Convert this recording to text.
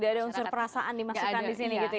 tidak ada unsur perasaan dimasukkan disini gitu ya